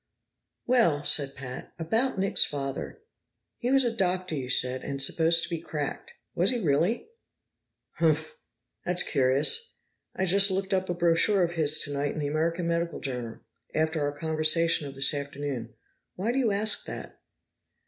"Well," said Pat, "about Nick's father. He was a doctor, you said, and supposed to be cracked. Was he really?" "Humph! That's curious. I just looked up a brochure of his tonight in the American Medical Journal, after our conversation of this afternoon. Why do you ask that?"